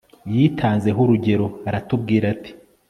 Yitanzeho urugero aratubwira ati